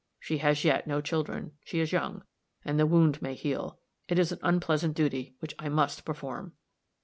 She has yet no children; she is young, and the wound may heal. It is an unpleasant duty, which I must perform."